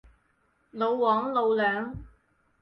老黃，老梁